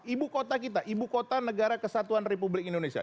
ibu kota kita ibu kota negara kesatuan republik indonesia